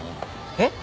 えっ？